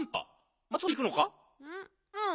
うん。